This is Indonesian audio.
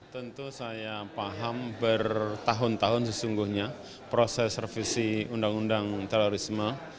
tentu saya paham bertahun tahun sesungguhnya proses revisi undang undang terorisme